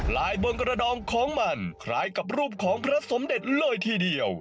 บนกระดองของมันคล้ายกับรูปของพระสมเด็จเลยทีเดียว